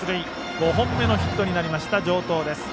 ５本目のヒットになりました城東です。